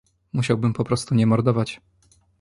"Musiałbym po prostu nie mordować."